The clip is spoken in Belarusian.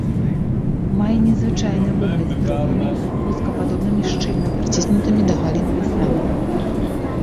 Мае незвычайны выгляд з дробнымі, лускападобнымі шчыльна прыціснутымі да галін лістамі.